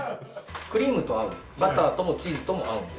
クリームと合うバターともチーズとも合うんで。